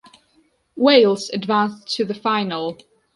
Wales advanced to the final.